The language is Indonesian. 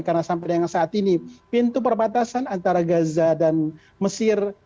karena sampai dengan saat ini pintu perbatasan antara gaza dan mesir